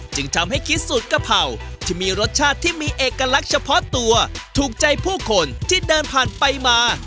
จึงทำให้คิดสูตรกะเพราที่มีรสชาติที่มีเอกลักษณ์เฉพาะตัวถูกใจผู้คนที่เดินผ่านไปมา